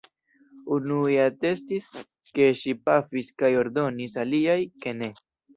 Unuj atestis, ke ŝi pafis kaj ordonis, aliaj, ke ne.